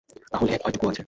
তা হলে ভয়টুকুও আছে!